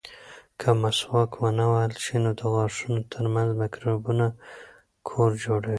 که مسواک ونه وهل شي، نو د غاښونو ترمنځ مکروبونه کور جوړوي.